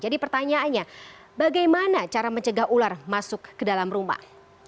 jadi pertanyaannya bagaimana cara mencegah ular masuk ke dalam rumah